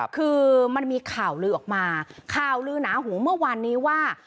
คือมันมีข่าวลือออกมาข่าวลือหนาหูเมื่อวานนี้ว่า